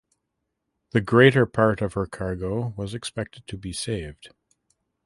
The greater part of her cargo was expected to be saved.